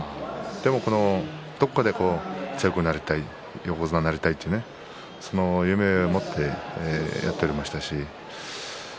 でもどこかで強くなりたい横綱になりたいというその夢を持ってやっておりました。